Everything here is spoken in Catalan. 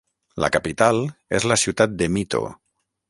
La capital és la ciutat de Mito.